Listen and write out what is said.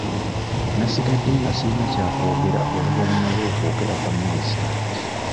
Nasigadde nga sirina kya kwogera oluvannyuma lw'okwogera kwa minisita.